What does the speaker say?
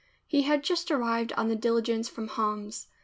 He had just arrived on the diligence from Homs.